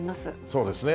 そうですね。